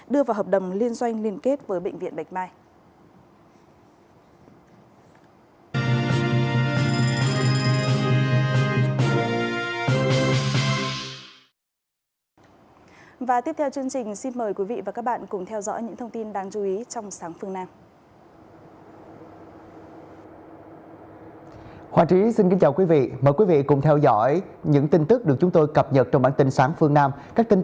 đưa vào hợp đồng liên doanh liên kết với bệnh viện bạch mai